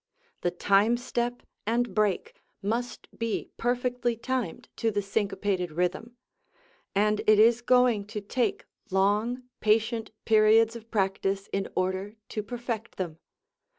The "time step" and "break" must be perfectly timed to the syncopated rhythm. And it is going to take long, patient periods of practice in order to perfect them.